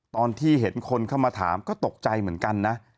ตอนที่เห็นคนเข้ามาถามก็ตกใจเหมือนกันนะ